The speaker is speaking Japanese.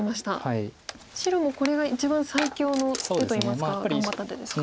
白もこれが一番最強の手といいますか頑張った手ですか。